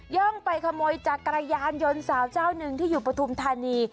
่องไปขโมยจักรยานยนต์สาวเจ้าหนึ่งที่อยู่ปฐุมธานี